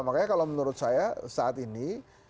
makanya kalau menurut saya saat ini